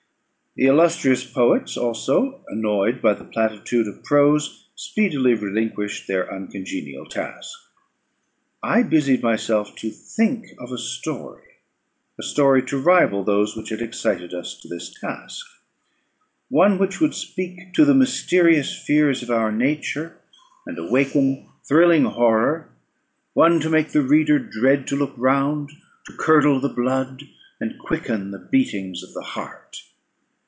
The illustrious poets also, annoyed by the platitude of prose, speedily relinquished their uncongenial task. I busied myself to think of a story, a story to rival those which had excited us to this task. One which would speak to the mysterious fears of our nature, and awaken thrilling horror one to make the reader dread to look round, to curdle the blood, and quicken the beatings of the heart.